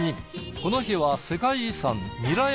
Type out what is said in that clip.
この日は世界遺産韮山